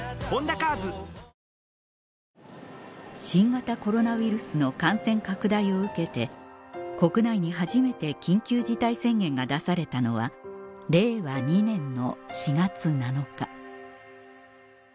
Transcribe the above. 新型コロナウイルスの感染拡大を受けて国内に初めて緊急事態宣言が出されたのは令和２年の４月７日